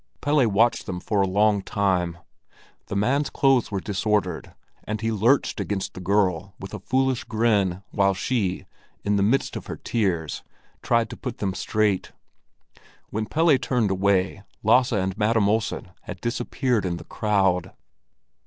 Pelle watched them for a long time. The man's clothes were disordered, and he lurched against the girl with a foolish grin when she, in the midst of her tears, tried to put them straight. When Pelle turned away, Lasse and Madam Olsen had disappeared in the crowd.